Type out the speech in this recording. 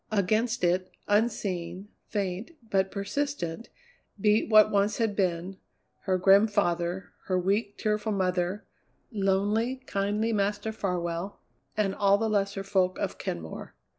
Against it, unseen, faint, but persistent, beat what once had been her grim father, her weak, tearful mother, lonely, kindly Master Farwell, and all the lesser folk of Kenmore.